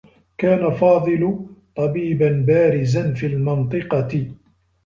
كان فاضل طبيبا بارزا في المنطقة.